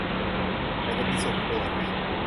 แต่จะมีสุ่มตรวจนะ